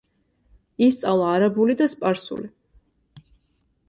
ისწავლა არაბული და სპარსული.